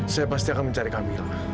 saya pasti akan mencari kamila